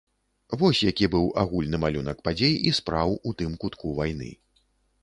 Вось які быў агульны малюнак падзей і спраў у тым кутку вайны.